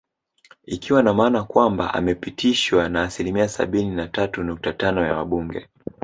Ikiwa na maana kwamba amepitishwa na asilimia sabini na tatu nukta tano ya wabunge